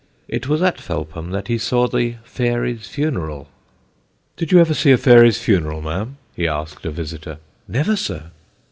It was at Felpham that he saw the fairy's funeral. "Did you ever see a fairy's funeral, ma'am?" he asked a visitor. "Never, sir!"